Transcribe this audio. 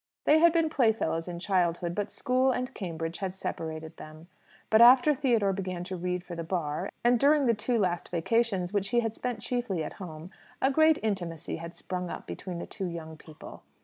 They had been playfellows in childhood, but school and Cambridge had separated them. But after Theodore began to read for the Bar, and, during the two last vacations, which he had spent chiefly at home, a great intimacy had sprung up between the young people.